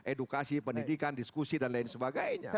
edukasi pendidikan diskusi dan lain sebagainya